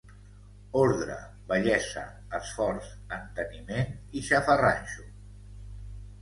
Ordre, bellesa, esforç, enteniment i xafarranxo.